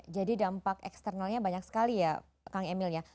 jadi dampak eksternalnya banyak sekali ya kang emil ya